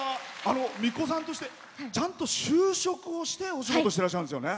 みこさんとしてちゃんと就職してお仕事してらっしゃるんですよね。